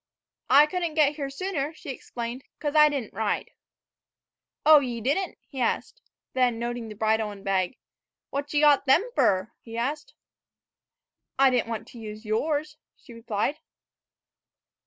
"I couldn't get here sooner," she explained, "'cause I didn't ride." "Oh, ye didn't?" he said. Then, noting the bridle and bag, "What ye got them fer?" he asked. "I didn't want to use yours," she replied.